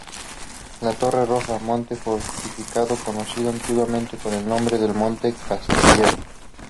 La Torre Roja: Monte fortificado conocido antiguamente con el nombre del "Monte Castellar".